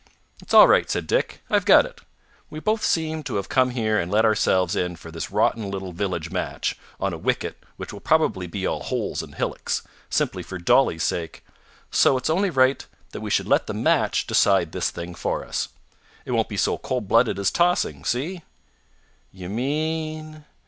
"It's all right," said Dick. "I've got it. We both seem to have come here and let ourselves in for this rotten little village match, on a wicket which will probably be all holes and hillocks, simply for Dolly's sake. So it's only right that we should let the match decide this thing for us. It won't be so cold blooded as tossing. See?" "You mean